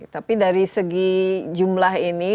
tapi dari segi jumlah ini